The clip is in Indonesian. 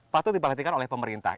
satu diperhatikan oleh pemerintah